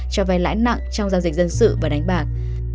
cho vay lãi nặng trong giao dịch dân sự và đánh bạc